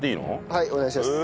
はいお願いします。